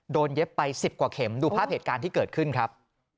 เย็บไป๑๐กว่าเข็มดูภาพเหตุการณ์ที่เกิดขึ้นครับ